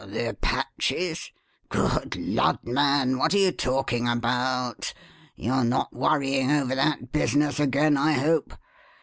The Apaches? Good lud, man, what are you talking about? You are not worrying over that business again, I hope.